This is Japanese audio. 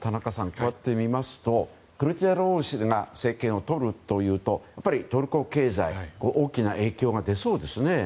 こうやって見ますとクルチダルオール氏が政権をとるというとやっぱりトルコ経済に大きな影響が出そうですね。